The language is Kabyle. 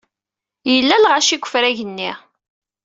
Yella lɣaci deg wefrag-nni.